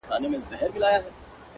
مثبت فکرونه مثبت عادتونه زېږوي